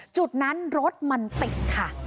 จุดนั้นรถมันติดค่ะ